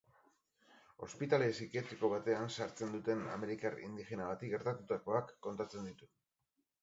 Ospitale psikiatriko batean sartzen duten amerikar indigena bati gertatutakoak kontatzen ditu.